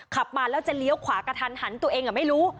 ขับมาแล้วจะเลี้ยวขวากระทันหันตัวเองไม่รู้